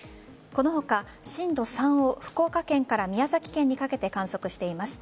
この他、震度３を福岡県から宮崎県にかけて観測しています。